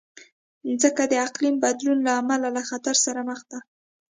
مځکه د اقلیم بدلون له امله له خطر سره مخ ده.